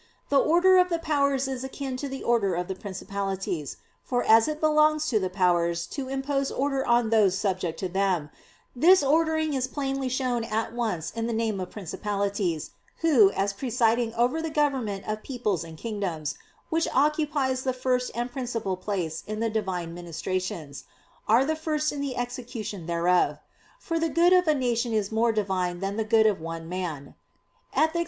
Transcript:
The order of the "Powers" is akin to the order of the "Principalities"; for as it belongs to the "Powers" to impose order on those subject to them, this ordering is plainly shown at once in the name of "Principalities," who, as presiding over the government of peoples and kingdoms (which occupies the first and principal place in the Divine ministrations), are the first in the execution thereof; "for the good of a nation is more divine than the good of one man" (Ethic.